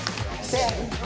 せの！